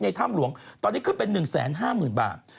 ถ้ำหลวงตอนนี้ขึ้นเป็น๑๕๐๐๐บาท